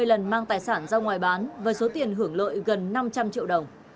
hai mươi lần mang tài sản ra ngoài bán với số tiền hưởng lợi gần năm trăm linh triệu đồng